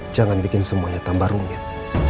jangan bikin semuanya tambah rumit